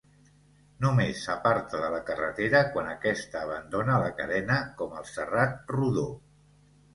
Només s'aparta de la carretera quan aquesta abandona la carena, com al Serrat Rodó.